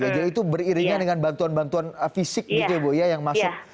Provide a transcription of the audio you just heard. jadi itu beriringan dengan bantuan bantuan fisik gitu ya bu yang masuk